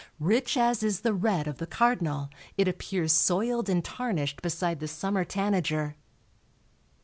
Rich as is the red of the cardinal it appears soiled and tarnished beside the summer tanager.